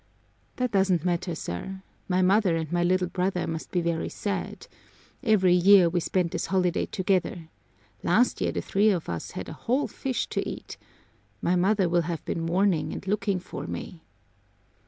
"That doesn't matter, sir. My mother and my little brother must be very sad. Every year we spend this holiday together. Last year the three of us had a whole fish to eat. My mother will have been mourning and looking for me."